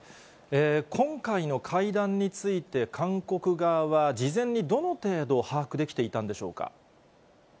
今回の会談について、韓国側は事前にどの程度、把握できていたんでしょうか。